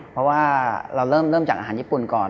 เพราะว่าเราเริ่มจากอาหารญี่ปุ่นก่อน